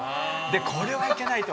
これはいけないと。